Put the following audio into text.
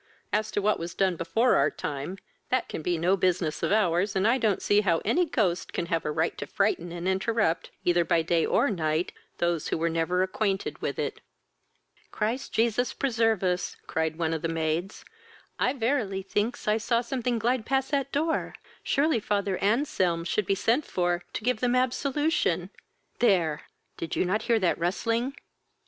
As to what was done before our time, that can be no business of ours, and I don't see how any ghost can have a right to frighten and interrupt, either by day or night, those who were never acquainted with it." "Christ Jesus preserve us! (cried on of the maids,) I verily thinks I saw something glide past that door! Surely father Anselm should be sent for to give them absolution: There! did you not hear that rustling?"